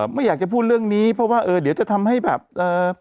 ไม่อยากจะพูดเรื่องนี้เพราะว่าเออเดี๋ยวจะทำให้แบบเอ่อ